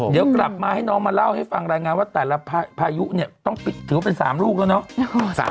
เดี๋ยวกลับมาให้น้องมาเล่าให้ฟังรายงานว่าแต่ละพายุเนี่ยต้องปิดถือว่าเป็น๓ลูกแล้วเนาะ